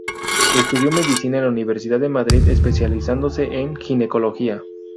Estudió medicina en la Universidad de Madrid, especializándose en Ginecología.